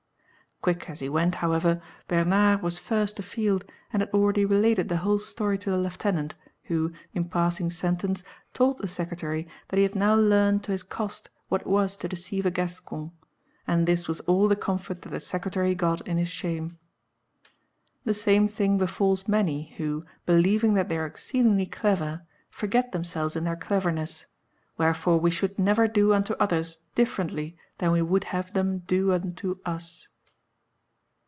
Quick as he went, however, Bernard was first afield and had already related the whole story to the Lieutenant, who, in passing sentence, told the secretary that he had now learnt to his cost what it was to deceive a Gascon, and this was all the comfort that the secretary got in his shame. The same thing befalls many who, believing that they are exceedingly clever, forget themselves in their cleverness; wherefore we should never do unto others differently than we would have them do unto us.